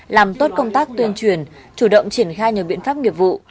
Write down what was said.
làm tốt công tác tuyên truyền chủ động triển khai nhiều biện pháp nghiệp vụ